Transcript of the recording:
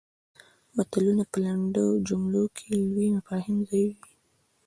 متلونه په لنډو جملو کې لوی مفاهیم ځایوي